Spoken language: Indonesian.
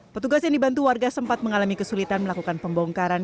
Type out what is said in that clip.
petugas yang dibantu warga sempat mengalami kesulitan melakukan pembongkaran